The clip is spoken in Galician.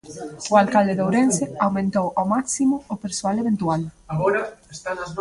O alcalde de Ourense aumentou ao máximo o persoal eventual.